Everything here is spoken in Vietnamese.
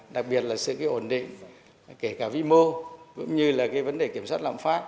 đặc biệt là sự ổn định kể cả vĩ mô cũng như là cái vấn đề kiểm soát lạm phát